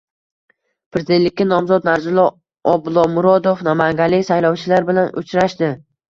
Prezidentlikka nomzod Narzullo Oblomurodov namanganlik saylovchilar bilan uchrashdi